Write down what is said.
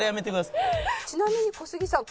ちなみに小杉さん